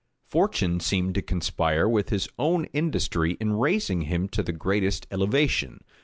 Fortune seemed to conspire with his own industry in raising him to the greatest elevation.